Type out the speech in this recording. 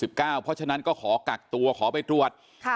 เพราะฉะนั้นก็ขอกักตัวขอไปตรวจ